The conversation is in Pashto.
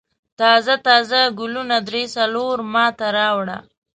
تازه تازه ګلونه درې څلور ما ته راوړه.